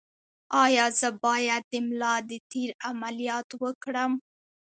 ایا زه باید د ملا د تیر عملیات وکړم؟